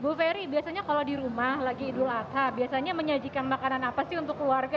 bu ferry biasanya kalau di rumah lagi idul adha biasanya menyajikan makanan apa sih untuk keluarga